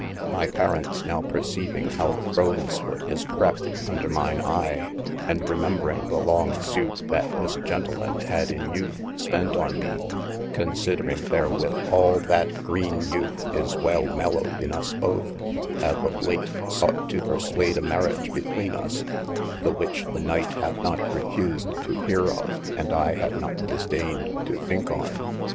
My parents now perceyving how the crowes foot is crept under mine eye, and remem bring the long sute that this gentelema had in youth spent on me, considering therewith all that grene youth is well mellowed in us both, have of late sought to perswade a marriage betwene us, the which the Knighte hath not refused to here of, and I have not disdayned to thinke on.